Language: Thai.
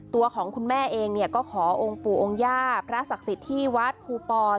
ตัวของคุณแม่เองเนี่ยก็ขอองค์ปู่องค์ย่าพระศักดิ์สิทธิ์ที่วัดภูปอ